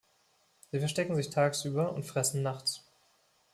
Sie verstecken sich tagsüber und fressen nachts.